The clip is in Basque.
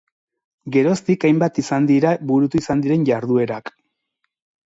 Geroztik hainbat izan dira burutu izan diren jarduerak.